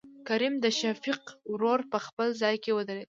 کريم دشفيق ورور په خپل ځاى کې ودرېد.